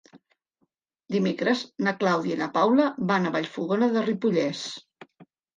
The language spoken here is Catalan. Dimecres na Clàudia i na Paula van a Vallfogona de Ripollès.